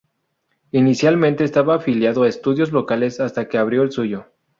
Inicialmente estaba afiliado a estudios locales hasta que abrió el suyo.